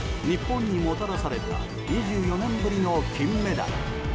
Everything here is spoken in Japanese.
日本にもたらされた２４年ぶりの金メダル。